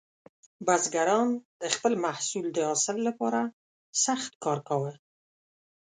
بزګران د خپل محصول د حاصل لپاره سخت کار کاوه.